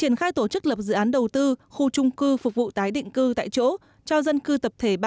triển khai tổ chức lập dự án đầu tư khu trung cư phục vụ tái định cư tại chỗ cho dân cư tập thể ba trăm năm mươi bốn